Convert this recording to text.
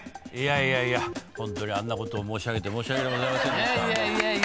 ホントにあんなことを申し上げて申し訳ございませんでした。